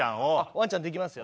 ワンちゃんできますよ。